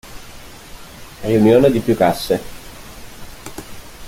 Riunione di più casse.